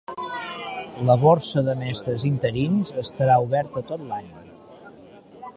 La borsa de mestres interins estarà oberta tot l'any.